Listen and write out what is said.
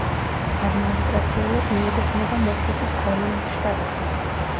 ადმინისტრაციულად მიეკუთვნება მექსიკის კოლიმის შტატს.